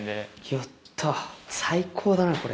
やった最高だなこれ。